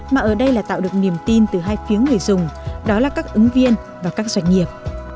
mà ở đây là tạo được niềm tin từ hai phía người dùng đó là các ứng viên và các doanh nghiệp